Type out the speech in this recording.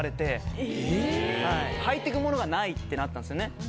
はいていくものがないってなったんですよね。